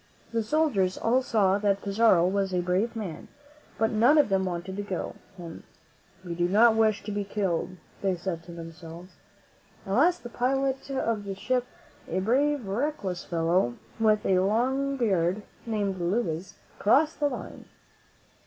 The soldiers all saw that Pizarro was a brave man, but none of them wanted to go with him. "We do not wish to be killed," they said to themselves. At last, the pilot of the ship, a brave, reckless fellow, with a long beard, named Luiz, crossed the line.